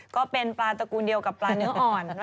ก็เป็นปลาตระกูลเดียวกับปลาเนื้ออ่อน